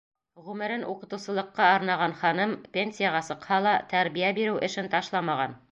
Ғүмерен уҡытыусылыҡҡа арнаған ханым, пенсияға сыҡһа ла, тәрбиә биреү эшен ташламаған.